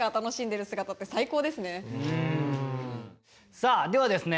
さあではですね